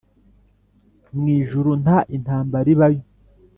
mu ijuru nta intambara ibayo